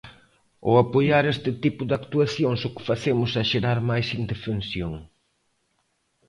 Ao apoiar este tipo de actuacións o que facemos é xerar máis indefensión.